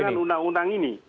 tandangan undang undang ini